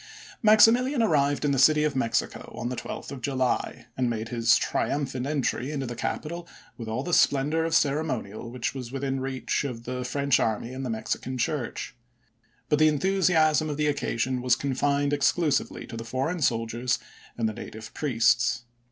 Maximilian arrived in the City of Mexico on the 12th of July, and made his triumphant entry into the capital with all the splendor of ceremonial which was within the reach of the French army and the Mexican Church. But the enthusiasm of the occasion was confined exclusively to the foreign soldiers and the native priests.